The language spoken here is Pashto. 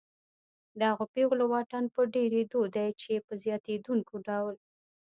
د هغو پیغلو واټن په ډېرېدو دی چې په زیاتېدونکي ډول